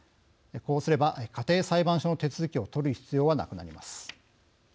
こうすれば家庭裁判所の手続きを取る必要はなくなります。